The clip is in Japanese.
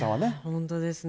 本当ですね。